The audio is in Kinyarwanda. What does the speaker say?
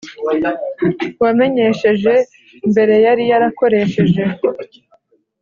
Uwamenyesheje mbere yari yarakoresheje